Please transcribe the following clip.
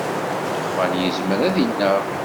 Ddexxan yezmer ad ineɣ.